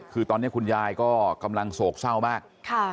คือตอนนี้คุณยายก็กำลังโศกเศร้ามาก